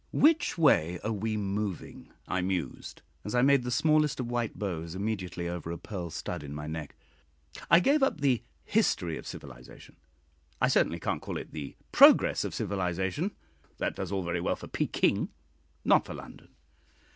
Which way are we moving? I mused, as I made the smallest of white bows immediately over a pearl stud in my neck. I gave up the "history" of civilisation. I certainly can't call it "the progress" of civilisation; that does all very well for Pekin, not for London.